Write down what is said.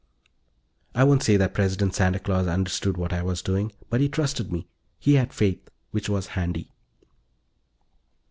I won't say that President Santa Claus understood what I was doing, but he trusted me. He had faith which was handy.